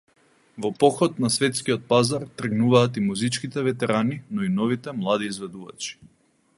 Во поход на светскиот пазар тргнуваат и музичките ветерани, но и новите, млади изведувачи.